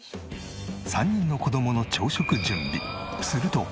３人の子供の朝食準備。